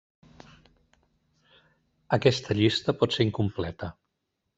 Aquesta llista pot ser incompleta.